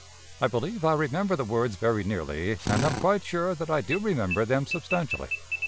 I believe I remember the words very nearly, and am quite sure that I do remember them substantially.